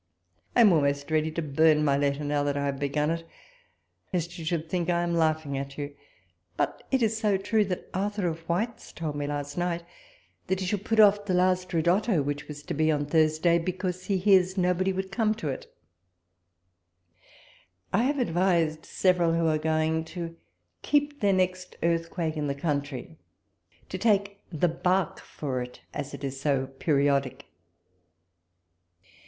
I am almost readv to burn my letter now I have begun it, lest you should think I am laughing at you: but it is so true, that Arthur of White's told me. last night, that he should put off the last ridotto, which was to be on Thursday, because he hears nobody would WALPOLES LETTERS. 61 come to it. I have advised several who are going to keep their next earthquake in the country, to take the bark for it, as it is so periodic.